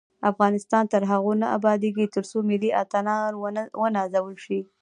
افغانستان تر هغو نه ابادیږي، ترڅو ملي اتلان ونازل شي.